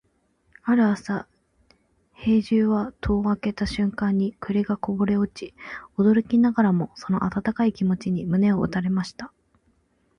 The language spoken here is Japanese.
ある朝、兵十は戸を開けた瞬間に栗がこぼれ落ち、驚きながらもその温かい気持ちに胸を打たれました。